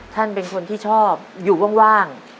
ท่านเป็นคนที่ชอบอยู่ว่าง